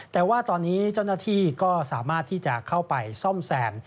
แต่ว่าตอนนี้เจ้าหน้าที่ก็สามารถที่จะเข้าไปซ่อมแซม